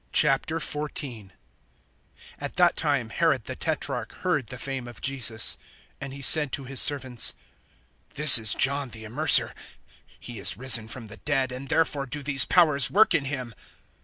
XIV. AT that time Herod the tetrarch heard the fame of Jesus. (2)And he said to his servants: This is John the Immerser; he is risen from the dead, and therefore do these powers[14:2] work in him.